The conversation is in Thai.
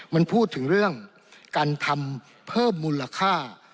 มันพูดถึงเรื่องการทำเพิ่มมูลค่า